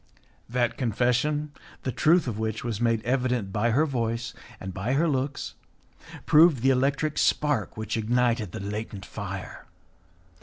That confession, the truth of which was made evident by her voice and by her looks, proved the electric spark which ignited the latent fire.